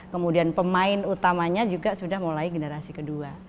kemudian pemain utamanya juga sudah mulai generasi kedua